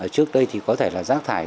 trước đây thì có thể là rác thải